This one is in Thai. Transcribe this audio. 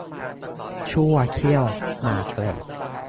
ชั่วเคี้ยวหมากแหลก